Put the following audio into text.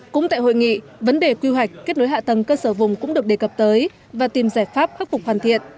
cũng tại hội nghị vấn đề quy hoạch kết nối hạ tầng cơ sở vùng cũng được đề cập tới và tìm giải pháp khắc phục hoàn thiện